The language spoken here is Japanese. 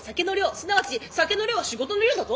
すなわち酒の量は仕事の量だぞ。